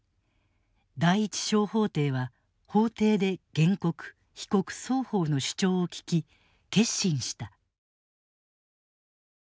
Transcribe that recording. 第一小法廷は法廷で原告・被告双方の主張を聞き結審した。